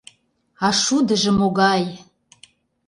А шудыжо могай!